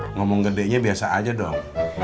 ngomong gedenya biasa aja dong